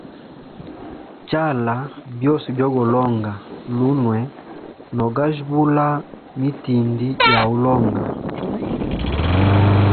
Tasha byose byo go longa lunwe, na gajibula mitindi ya ulonga.